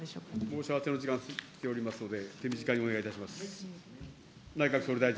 申し合わせの時間過ぎておりますので、手短にお願いします。